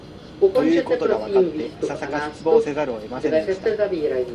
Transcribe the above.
ということがわかって、いささか失望せざるを得ませんでした